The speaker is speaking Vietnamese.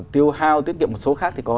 tiêu hao tiết kiệm một số khác thì có